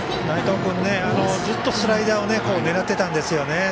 内藤君ずっとスライダーを狙っていたんですよね。